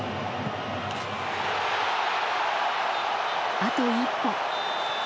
あと一歩。